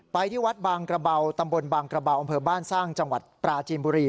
ที่วัดบางกระเบาตำบลบางกระเบาอำเภอบ้านสร้างจังหวัดปราจีนบุรี